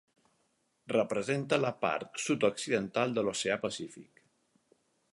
Representa la part sud-occidental de l'oceà Pacífic.